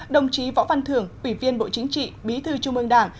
đồng chí võ văn thưởng ủy viên bộ chính trị bí thư trung ương đảng